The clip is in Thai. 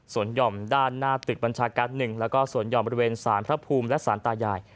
สวนหย่อมด้านหน้าตึกบรรชากัด๑และสวนหย่อมบริเวณศาลพระภูมิและศาลตาใหญ่